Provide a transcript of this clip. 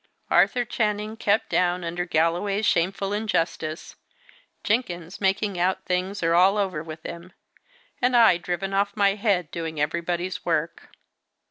Arthur Channing kept down under Galloway's shameful injustice; Jenkins making out that things are all over with him; and I driven off my head doing everybody's work!